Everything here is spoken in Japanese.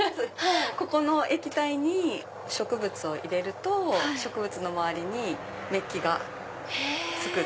ここの液体に植物を入れると植物の周りにメッキが付く。